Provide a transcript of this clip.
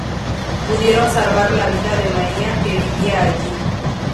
Pudieron salvar la vida de Maia, que vivía allí.